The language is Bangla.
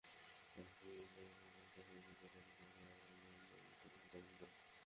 আমি তাই বেসবলের হেলমেট ব্যবহার করি, আমার জন্য এটা বেশ আরামদায়ক।